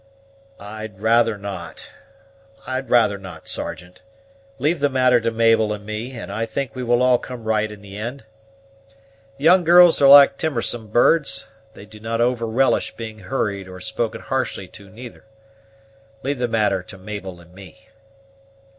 "I'd rather not, I'd rather not, Sergeant. Leave the matter to Mabel and me, and I think all will come right in the ind. Young girls are like timorsome birds; they do not over relish being hurried or spoken harshly to nither. Leave the matter to Mabel and me."